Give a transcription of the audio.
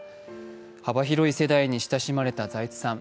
幅広い世代に親しまれた財津さん。